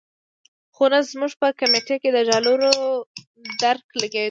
خو نه زموږ په کمېټه کې د ډالرو درک لګېدو.